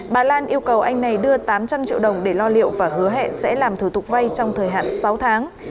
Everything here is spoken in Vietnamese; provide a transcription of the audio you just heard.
bà lan yêu cầu anh này đưa tám trăm linh triệu đồng để lo liệu và hứa hẹn sẽ làm thủ tục vay trong thời hạn sáu tháng